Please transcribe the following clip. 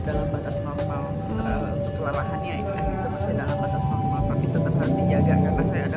dalam batas normal kelerahannya itu masih dalam batas normal tetap tetap dijaga karena kayak ada